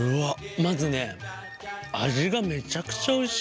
まずね味がめちゃくちゃおいしい。